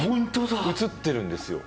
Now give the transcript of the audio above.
写ってるんですよ。